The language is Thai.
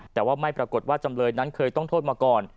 แต่ว่าไม่ปรากฏว่าจำเลยนั้นเคยต้องโทษมาก่อน